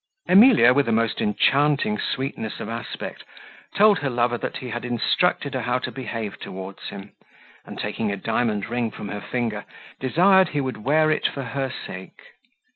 Emilia, with a most enchanting sweetness of aspect, told her lover that he had instructed her how to behave towards him; and taking a diamond ring from her finger, desired he would wear it for her sake.